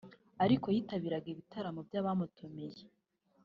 ariko yitabiraga ibitaramo by’abamutumiye